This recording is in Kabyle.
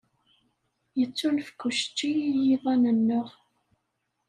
Yettunefk ucečči i yiḍan-nneɣ.